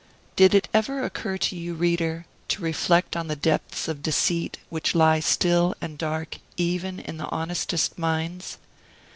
Did it ever occur to you, reader, to reflect on the depths of deceit which lie still and dark even in the honestest minds?